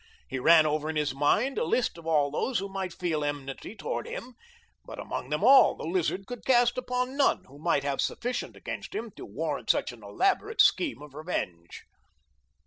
He ran over in his mind a list of all those who might feel enmity toward him, but among them all the Lizard could cast upon none who might have sufficient against him to warrant such an elaborate scheme of revenge.